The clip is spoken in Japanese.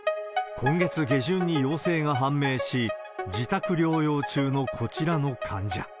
今月下旬に陽性が判明し、自宅療養中のこちらの患者。